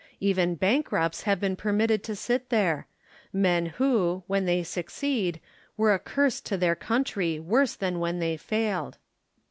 Even bankrupts have been permitted to sit there ; men who, when they succeeded, were a curse to their country worse than when they failed.